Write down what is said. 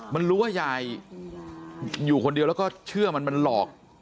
มันรู้ว่ายายอยู่คนเดียวแล้วก็เชื่อมันมันหลอก